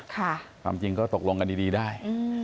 ความจริงก็ตกลงกันดีได้